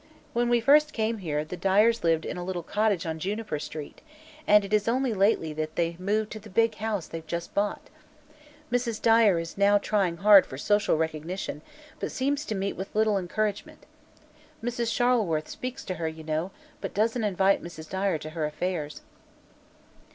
When we first came here, the Dyers lived in a little cottage on Juniper street, and it is only lately that they moved to the big house they've just bought. Mrs. Dyer is now trying hard for social recognition, but seems to meet with little encouragement. Mrs. Charleworth speaks to her, you know, but doesn't invite Mrs. Dyer to her affairs."